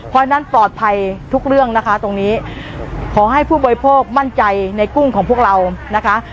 เพราะฉะนั้นปลอดภัยทุกเรื่องนะคะตรงนี้ขอให้ผู้บริโภคมั่นใจในกุ้งของพวกเรานะคะ